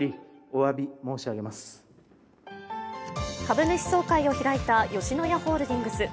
株主総会を開いた吉野家ホールディングス。